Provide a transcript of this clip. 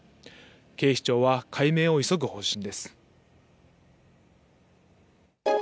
警視庁は解明を急ぐ方針です。